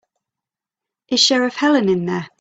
Is Sheriff Helen in there?